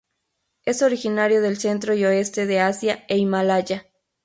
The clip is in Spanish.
Es originario del centro y oeste de Asia e Himalaya.